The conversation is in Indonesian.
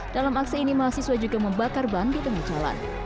dalam aksi ini mahasiswa juga membakar ban di tengah jalan